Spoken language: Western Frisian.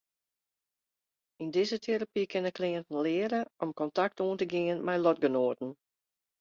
Yn dizze terapy kinne kliïnten leare om kontakt oan te gean mei lotgenoaten.